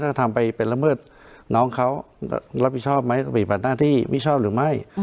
ถ้าทำไปเป็นละเมิดน้องเขารับผิดชอบไหมปฏิบัติหน้าที่มิชอบหรือไม่